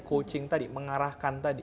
coaching tadi mengarahkan tadi